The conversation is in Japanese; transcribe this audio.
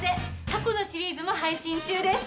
過去のシリーズも配信中です！